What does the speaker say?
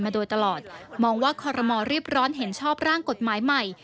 มาโดยตลอดมองว่าคอรมอรีบร้อนเห็นชอบร่างกฎหมายใหม่